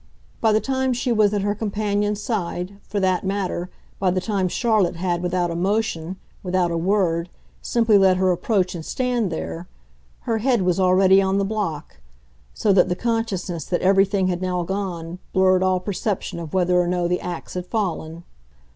By the time she was at her companion's side, for that matter, by the time Charlotte had, without a motion, without a word, simply let her approach and stand there, her head was already on the block, so that the consciousness that everything had now gone blurred all perception of whether or no the axe had fallen.